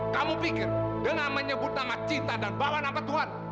kamu pikir dengan menyebut nama cinta dan bawa nama tuhan